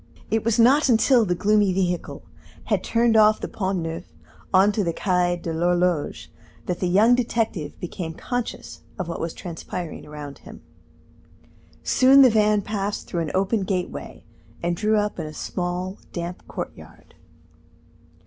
It was not until the gloomy vehicle had turned off the Pont Neuf on to the Quai de l'Horloge that the young detective became conscious of what was transpiring around him. Soon the van passed through an open gateway, and drew up in a small, damp courtyard.